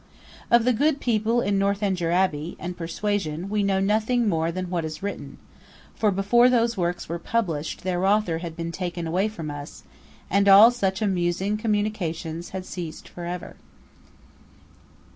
Of the good people in 'Northanger Abbey' and 'Persuasion' we know nothing more than what is written: for before those works were published their author had been taken away from us, and all such amusing communications had ceased for ever.